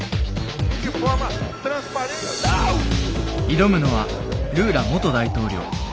挑むのはルーラ元大統領。